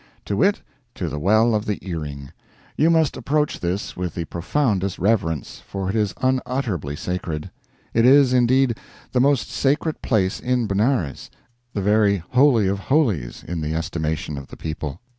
To wit, to the Well of the Earring. You must approach this with the profoundest reverence, for it is unutterably sacred. It is, indeed, the most sacred place in Benares, the very Holy of Holies, in the estimation of the people.